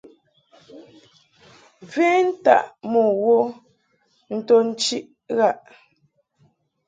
Ven taʼ mo wo nto nchiʼ ghaʼ.